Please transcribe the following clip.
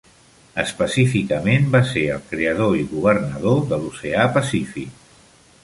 Específicament, va ser el creador i governador de l'Oceà Pacífic.